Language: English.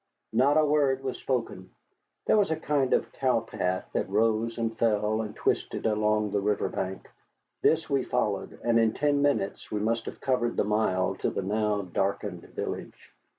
Not a word was spoken. There was a kind of cow path that rose and fell and twisted along the river bank. This we followed, and in ten minutes we must have covered the mile to the now darkened village.